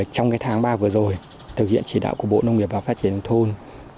trong tháng ba vừa rồi thực hiện chỉ đạo của bộ nông nghiệp và phát triển thôn